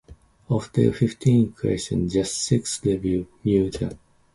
Of these fifty equations, just six require 'new' transcendental functions for their solution.